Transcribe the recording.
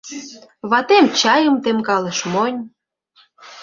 Ватем чайым темкалыш монь.